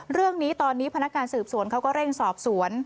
เรื่องนี้ตอนนี้พนักการสืบสวนเขาก็เร่งสอบสวน